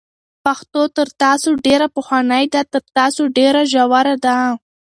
پښتو تر تاسو ډېره پخوانۍ ده، تر تاسو ډېره ژوره ده،